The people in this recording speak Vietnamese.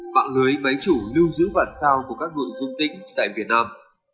mạng lưới máy chủ lưu giữ bản sao của các người dung tính tại việt nam